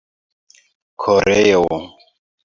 koreo